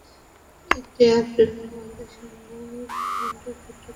এটি আফ্রিকা মহাদেশের মূল ভূখন্ডের ক্ষুদ্রতম দেশ।